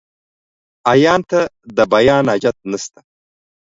عيان ته ، د بيان حاجت نسته.